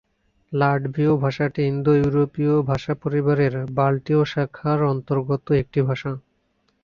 লাটভীয় ভাষাটি ইন্দো-ইউরোপীয় ভাষাপরিবারের বাল্টীয় শাখার অন্তর্গত একটি ভাষা।